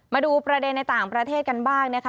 มาดูประเด็นในต่างประเทศกันบ้างนะคะ